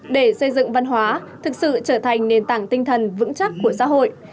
để xây dựng văn hóa thực sự trở thành nền tảng tinh thần vững chắc của xã hội